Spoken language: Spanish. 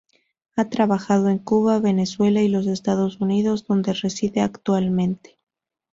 Ha trabajado en Cuba, Venezuela y los Estados Unidos, donde reside actualmente.